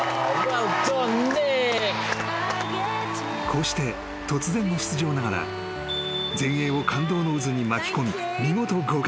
［こうして突然の出場ながら全英を感動の渦に巻き込み見事］